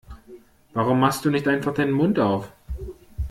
Warum machst du nicht einfach deinen Mund auf?